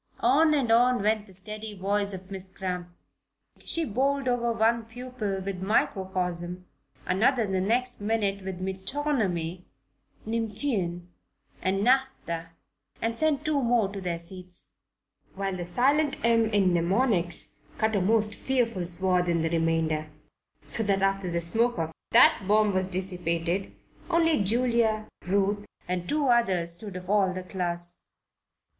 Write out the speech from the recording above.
On and on went the steady voice of Miss Cramp. She bowled over one pupil with "microcosm," another the next minute with "metonymy "; "nymphean" and "naphtha" sent two more to their seats; while the silent "m" in "mnemonics" cut a most fearful swath in the remainder, so that after the smoke of that bomb was dissipated only Julia, Ruth, and two others stood of all the class.